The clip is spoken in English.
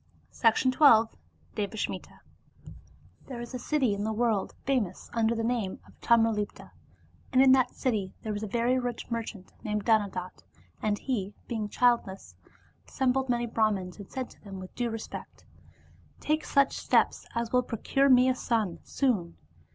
Devasmitd From the Sanskrit T^HERE is a city in the world famous under the name of Tamralipta, and in that city there was a very rich mer chant named Dhanadatta. And he, being childless, assem bled many Brahmans and said to them with due respect, *' Take such steps as will procure me a son soon."